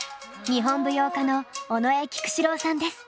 日本舞踊家の尾上菊紫郎さんです。